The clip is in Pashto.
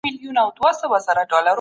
خپل چاپیریال سمسور وساتئ.